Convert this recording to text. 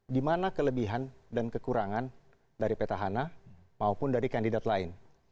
di mana kelebihan dan kekurangan dari petahana maupun dari kandidat lain